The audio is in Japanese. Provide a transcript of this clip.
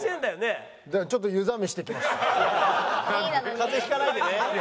風邪引かないでね。